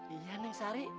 iya neng sari